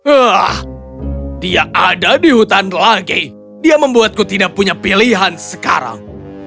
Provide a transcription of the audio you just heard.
ah dia ada di hutan lagi dia membuatku tidak punya pilihan sekarang